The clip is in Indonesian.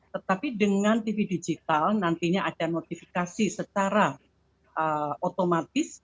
tetapi dengan tv digital nantinya ada notifikasi secara otomatis